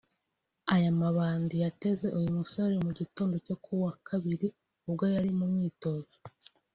Aya mabandi yateze uyu musore mu gitondo cyo ku wa Kabiri ubwo yari mu myitozo